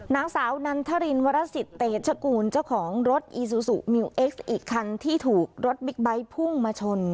นางสาวนันทรินวรสิตเตชกูลเจ้าของรถอีซูซูมิวเอ็กซ์อีกคันที่ถูกรถบิ๊กไบท์พุ่งมาชน